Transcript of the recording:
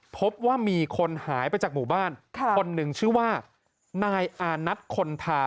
พบว่ามีคนหายไปจากหมู่บ้านคนหนึ่งชื่อว่านายอานัทคนทา